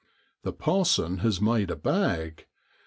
The parson has made a bag!